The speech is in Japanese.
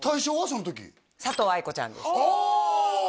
その時佐藤藍子ちゃんですああ！